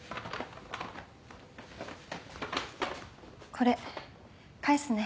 これ返すね。